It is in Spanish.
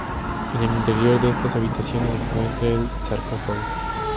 En el interior de estas habitaciones se encuentra el sarcófago.